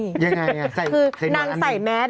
ก็ยังไงใส่นวด